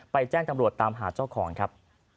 แจ้งตำรวจตามหาเจ้าของครับ